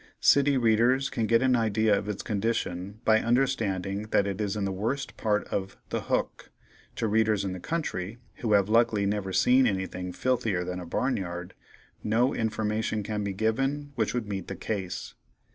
City readers can get an idea of its condition by understanding that it is in the worst part of "The Hook;" to readers in the country, who have luckily never seen anything filthier than a barn yard, no information can be given which would meet the case.